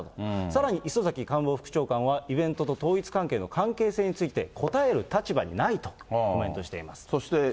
さらに磯崎官房副長官は、イベントと統一教会の関係性について、答える立場にないとコメントしています。